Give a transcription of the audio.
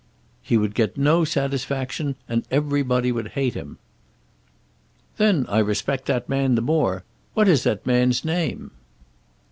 "He would get no satisfaction, and everybody would hate him." "Then I respect that man the more. What is that man's name?"